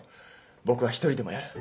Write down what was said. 僕は一人でもやる。